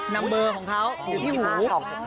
นำเบอร์ของเขาหูที่หู